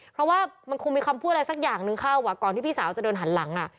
เพราะว่ามันคงมีคำพูดอะไรสักอย่างหนึ่งเข้าก่อนที่พี่สาวจะเดินหันหลัง